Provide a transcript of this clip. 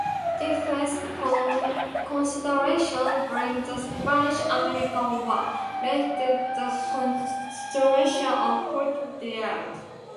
Defense considerations during the Spanish-American War led to the construction of Fort Dade.